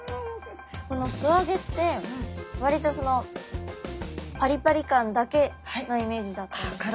この素揚げって割とそのパリパリ感だけのイメージだったんですけど。